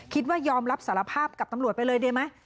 คิดว่ายอมรับสารภาพกับตำรวจไปเลยได้ไหม